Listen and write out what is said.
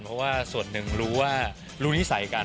เพราะว่าส่วนหนึ่งรู้ว่ารู้นิสัยกัน